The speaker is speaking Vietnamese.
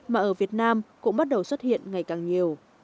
mà ở việt nam cũng bắt đầu xuất hiện ngày càng nhiều